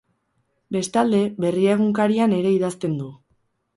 Bestalde, Berria egunkarian ere idazten du.